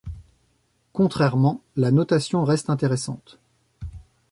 Contrairement, la notation reste intéressante.